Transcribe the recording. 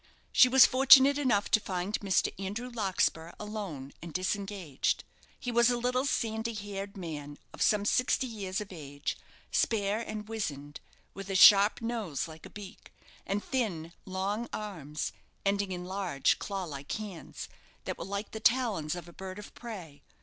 She was fortunate enough to find Mr. Andrew Larkspur alone, and disengaged. He was a little, sandy haired man, of some sixty years of age, spare and wizened, with a sharp nose, like a beak, and thin, long arms, ending in large, claw like hands, that were like the talons of a bird of prey.